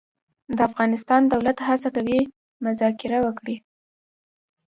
د افغانستان دولت هڅه کوي مذاکره وکړي.